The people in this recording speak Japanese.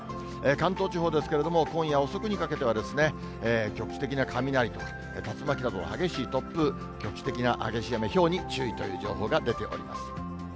関東地方ですけれども、今夜遅くにかけては、局地的な雷とか、竜巻などの激しい突風、局地的な激しい雨、ひょうに注意という情報が出ております。